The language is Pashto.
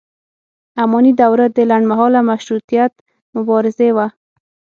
اماني دوره د لنډ مهاله مشروطیت مبارزې وه.